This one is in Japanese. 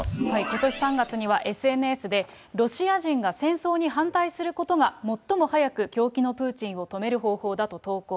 ことし３月には、ＳＮＳで、ロシア人が戦争に反対することが、最も早く狂気のプーチンを止める方法だと投稿。